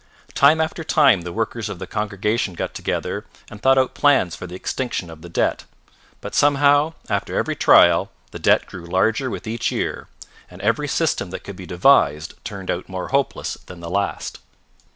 Time after time the workers of the congregation got together and thought out plans for the extinction of the debt. But somehow, after every trial, the debt grew larger with each year, and every system that could be devised turned out more hopeless than the last.